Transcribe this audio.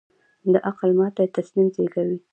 د عقل ماتې تسلیم زېږوي.